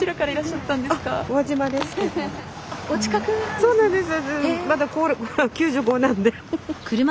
そうなんです。